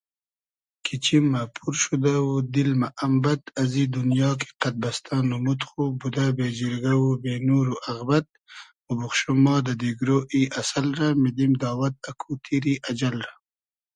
کی چیم مۂ پور شودۂ و دیل مۂ ام بئد ازی دونیا کی قئد بئستۂ نومود خو بودۂ بې جیرگۂ و بې نور و اغبئد موبوخشوم ما دۂ دیگرۉ ای اسئل رۂ میدیم داوئد اکو تیری اجئل رۂ